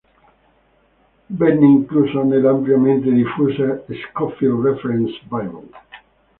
Venne incluso nell'ampiamente diffusa "Scofield Reference Bible".